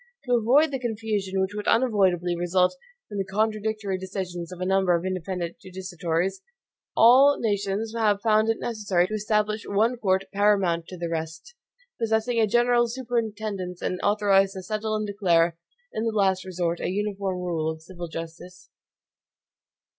To avoid the confusion which would unavoidably result from the contradictory decisions of a number of independent judicatories, all nations have found it necessary to establish one court paramount to the rest, possessing a general superintendence, and authorized to settle and declare in the last resort a uniform rule of civil justice.